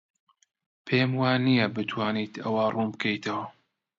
پێم وانییە بتوانیت ئەوە ڕوون بکەیتەوە.